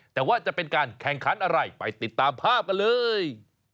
แต่ว่าจะเป็นการแข่งขันอะไรไปติดตามภาพกันเลย